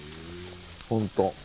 ホント。